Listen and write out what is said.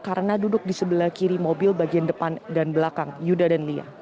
karena duduk di sebelah kiri mobil bagian depan dan belakang yuda dan lia